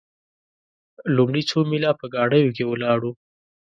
لومړي څو میله په ګاډیو کې ولاړو.